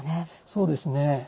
そうですね。